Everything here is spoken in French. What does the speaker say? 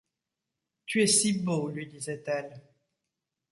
Tu es si beau ! lui disait-elle.